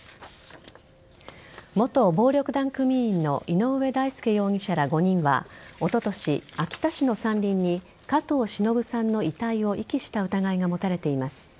元暴力団組員の井上大輔容疑者ら５人はおととし、秋田市の山林に加藤しのぶさんの遺体を遺棄した疑いが持たれています。